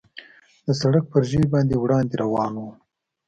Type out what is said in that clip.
د سړک پر ژۍ باندې وړاندې روان ووم.